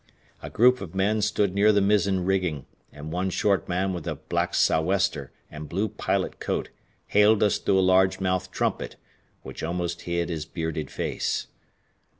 A group of men stood near the mizzen rigging, and one short man with a black sou'wester and blue pilot coat hailed us through a large mouthed trumpet, which almost hid his bearded face.